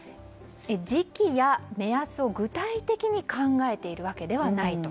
時期や目安を具体的に考えているわけではないと。